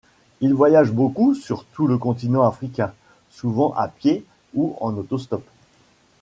Il voyage beaucoup sur tout le continent Africain, souvent à pied ou en auto-stop.